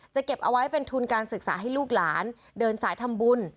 เก็บเอาไว้เป็นทุนการศึกษาให้ลูกหลานเดินสายทำบุญ